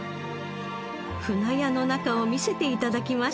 舟屋の中を見せて頂きました